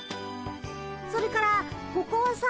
それからここはさ。